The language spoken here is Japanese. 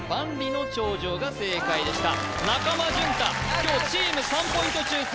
今日チーム３ポイント中３